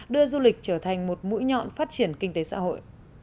đưa du lịch trở thành một mũi nhọn phát triển kinh tế xã hội